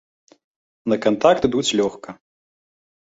На кантакт ідуць лёгка.